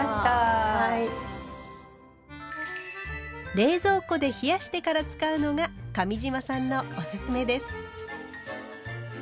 冷蔵庫で冷やしてから使うのが上島さんのオススメです。